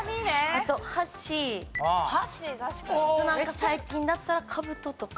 あと最近だったらかぶととか。